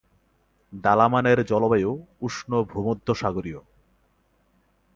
দালামানের জলবায়ু উষ্ণ ভূমধ্যসাগরীয়।